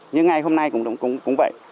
như ngày hôm nay cũng vậy